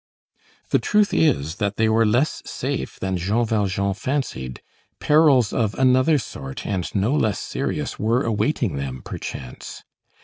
The truth is, that they were less safe than Jean Valjean fancied. Perils of another sort and no less serious were awaiting them, perchance.